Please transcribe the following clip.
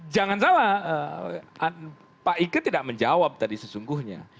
jangan salah pak ike tidak menjawab tadi sesungguhnya